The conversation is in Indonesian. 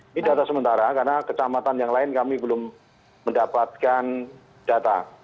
ini data sementara karena kecamatan yang lain kami belum mendapatkan data